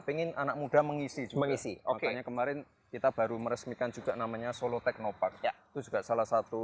pingin anak muda mengisi mengisi oke kemarin kita baru meresmikan juga namanya solo teknopark salah